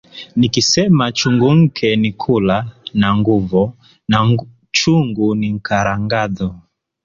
Nikisema chungu nke ni kula na nguvo na chungu ni nkaragadho.